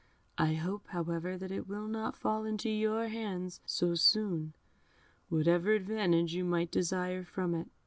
I hope, however, that it will not fall into your hands so soon, whatever advantage you might desire from it.